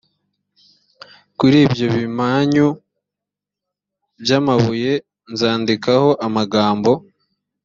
kuri ibyo bimanyu by’amabuye nzandikaho amagambo